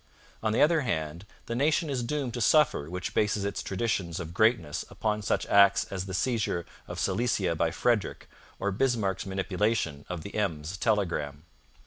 On the other hand, the nation is doomed to suffer which bases its traditions of greatness upon such acts as the seizure of Silesia by Frederick or Bismarck's manipulation of the Ems telegram.